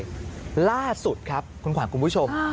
มารูลุล่าสุดครับคุณขวานกุมผู้ชม